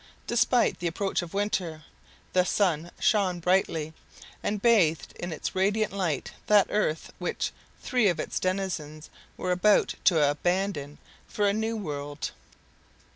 Despite the approach of winter, the sun shone brightly, and bathed in its radiant light that earth which three of its denizens were about to abandon for a new world.